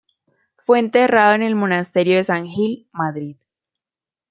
Fue enterrado en el monasterio de San Gil, Madrid.